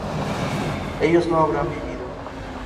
ellos no habrán vivido